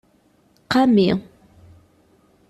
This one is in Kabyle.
Qami.